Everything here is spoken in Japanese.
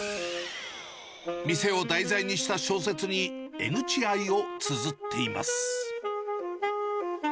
店を題材にした小説に、江ぐち愛をつづっています。